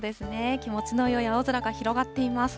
気持ちのよい青空が広がっています。